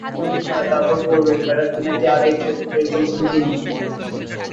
রিয়ালের সঙ্গে তাঁর খেলা পড়বে, ব্যাপারটা নাকি আগেই টের পেয়েছিলেন তিনি।